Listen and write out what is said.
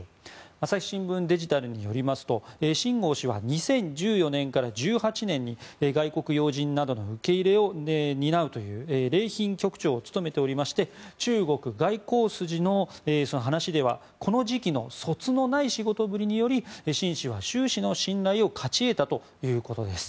朝日新聞デジタルによりますとシン・ゴウ氏は２０１４年から２０１８年に外国要人などの受け入れを担うという礼賓局長を務めておりまして中国外交筋の話ではこの時期のそつのない仕事ぶりでシン氏は習氏の信頼を勝ち得たということです。